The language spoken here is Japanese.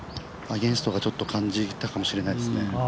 アゲンストが感じたかもしれないですね。